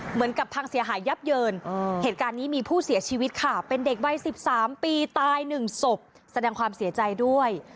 เหมือนกับพังเสียหายยับเยินเหตุการณ์นี้มีผู้เสียชีวิตค่ะเป็นเด็กวัย๑๓ปีตาย๑ศพแสดงความเสียใจด้วย